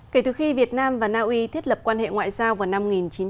kể từ khi việt nam và naui thiết lập quan hệ ngoại giao vào năm một nghìn chín trăm chín mươi